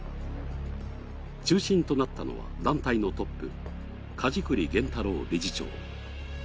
中心となったのは団体のトップ、梶栗玄太郎理事長。